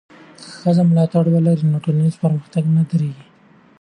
که ښځې ملاتړ ولري، ټولنیز پرمختګ نه درېږي.